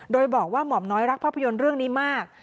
โดยบอกว่าหม่อมน้อยรักภาพยนตร์เรื่องนี้มาก